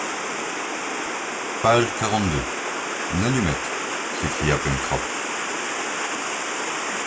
Page quarante-deux. Une allumette! s’écria Pencroff.